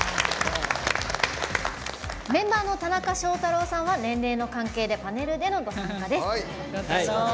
メンバーの田中笑太郎さんは年齢の関係でパネルでのご参加です。